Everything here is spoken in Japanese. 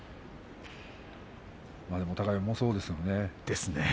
お互い重そうですね。